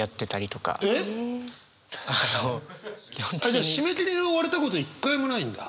じゃあ締め切りに追われたこと一回もないんだ？